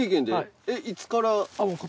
いつから。